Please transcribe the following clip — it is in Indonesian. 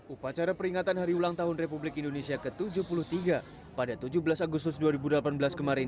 upacara peringatan hari ulang tahun republik indonesia ke tujuh puluh tiga pada tujuh belas agustus dua ribu delapan belas kemarin